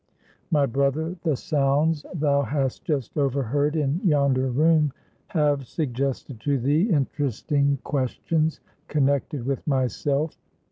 My brother, the sounds thou hast just overheard in yonder room, have suggested to thee interesting questions connected with myself.